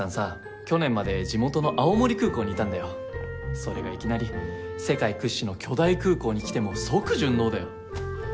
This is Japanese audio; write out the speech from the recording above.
それがいきなり世界屈指の巨大空港に来ても即順応だよ。